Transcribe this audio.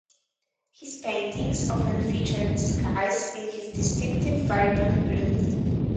His paintings often featured skies in his distinctive vibrant blue.